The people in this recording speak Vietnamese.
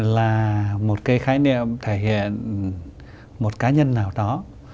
là một cái khái niệm thể hiện một cá nhân nào đó